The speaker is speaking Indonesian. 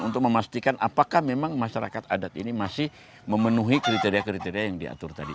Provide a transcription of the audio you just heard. untuk memastikan apakah memang masyarakat adat ini masih memenuhi kriteria kriteria yang diatur tadi